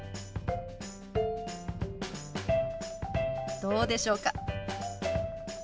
どうでしょうか？